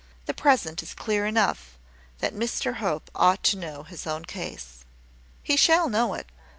The present is clear enough that Mr Hope ought to know his own case." "He shall know it.